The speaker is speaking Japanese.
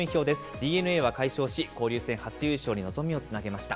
ＤｅＮＡは快勝し、交流戦初優勝に望みをつなげました。